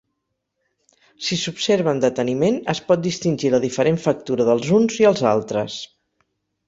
Si s'observa amb deteniment, es pot distingir la diferent factura dels uns i els altres.